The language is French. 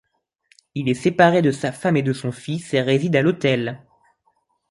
Il est séparé de sa femme et de son fils et réside à l'hôtel.